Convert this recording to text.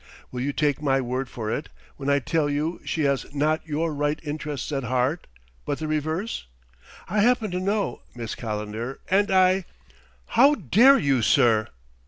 Will you take my word for it, when I tell you she has not your right interests at heart, but the reverse? I happen to know, Miss Calendar, and I " "How dare you, sir?"